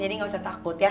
jadi gak usah takut ya